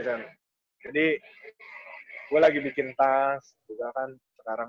jadi gue lagi bikin tas juga kan